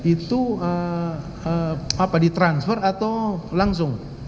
itu apa di transfer atau langsung